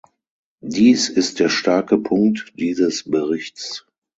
Dies ist der starke Punkt dieses Berichts.